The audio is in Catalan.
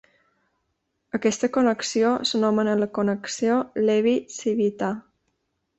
Aquesta connexió s'anomena la connexió Levi-Civita.